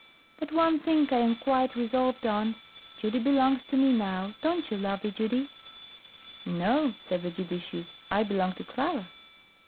But one thing I am quite resolved on: Judy belongs to me now, don't you, lovely Judy?" "No," said the judicious, "I belong to Clara."